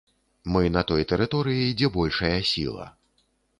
Мы на той тэрыторыі, дзе большая сіла.